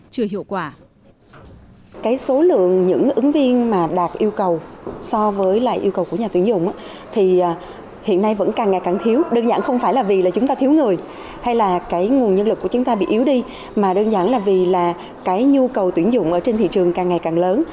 các nhân viên đạt yêu cầu so với yêu cầu của nhà tuyển dụng hiện nay vẫn càng ngày càng thiếu đơn giản không phải vì chúng ta thiếu người hay là nguồn nhân lực của chúng ta bị yếu đi mà đơn giản là vì nhu cầu tuyển dụng trên thị trường càng ngày càng lớn